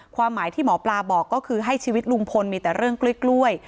ความหมายที่หมอปลาบอกก็คือให้ชีวิตลุงพลมีแต่เรื่องกล้วย